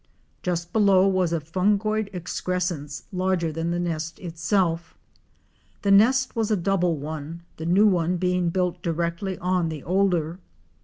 Just below was a fungoid excrescence larger than the nest itself. The nest was a double one, the new one being built directly on the older.